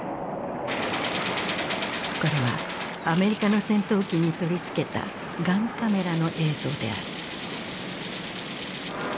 これはアメリカの戦闘機に取り付けたガンカメラの映像である。